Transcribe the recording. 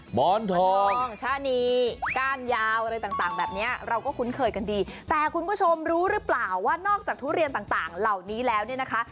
หมอนทองชะนีก้านยาวอะไรต่างแบบเนี้ยเราก็คุ้นเคยกันดีแต่คุณผู้ชมรู้หรือเปล่าว่านอกจากทุเรียนต่างต่างเหล่านี้แล้วเนี่ยนะคะ